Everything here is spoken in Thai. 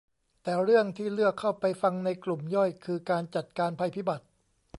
แต่เรื่องที่เลือกเข้าไปฟังในกลุ่มย่อยคือการจัดการภัยพิบัติ